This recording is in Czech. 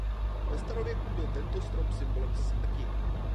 Ve starověku byl tento strom symbolem smrti.